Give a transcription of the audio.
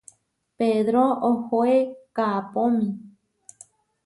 Pedró ohoé kaʼpómi.